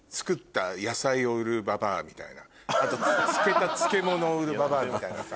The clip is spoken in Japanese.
漬けた漬物を売るババアみたいなさ。